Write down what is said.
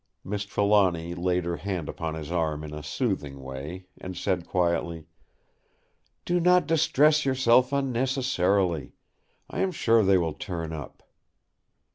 Miss Trelawny laid her hand upon his arm in a soothing way, and said quietly: "Do not distress yourself unnecessarily. I am sure they will turn up."